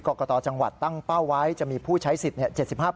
กรกตจังหวัดตั้งเป้าไว้จะมีผู้ใช้สิทธิ์